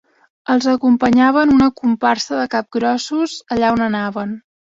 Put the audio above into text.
Els acompanyaven una comparsa de capgrossos allà on anaven.